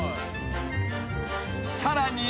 ［さらに］